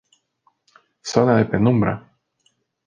Zona de penumbra.